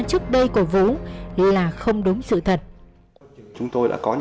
trước đây của vũ là không đúng sự thật